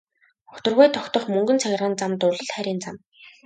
Огторгуйд тогтох мөнгөн цагирган зам дурлал хайрын зам.